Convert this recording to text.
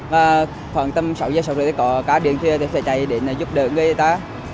và khoảng tầm sáu giờ sáu giờ thì có cá điện thì sẽ chạy đến giúp đỡ người ta